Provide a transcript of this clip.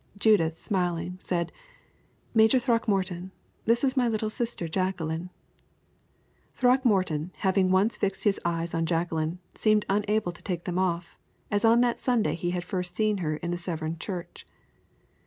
Judith, smiling, said, "Major Throckmorton, this is my little sister Jacqueline." Throckmorton, having once fixed his eyes on Jacqueline, seemed unable to take them off, as on that Sunday he had first seen her in Severn church.